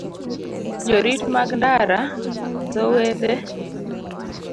Jorit mag ndara, dho wedhe,